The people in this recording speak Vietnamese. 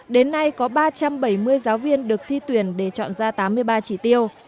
đến nay có ba trăm bảy mươi giáo viên được thi tuyển để chọn ra tám mươi ba chỉ tiêu